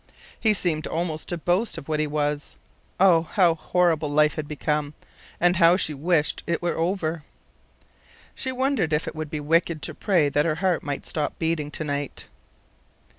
He seemed almost to boast of what he was.... Oh, how horrible life had become, and how she wished that it were over! She wondered if it would be wicked to pray that her heart might stop beating to night.